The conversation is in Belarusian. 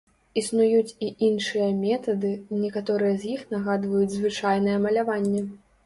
Існуюць і іншыя метады, некаторыя з іх нагадваюць звычайнае маляванне.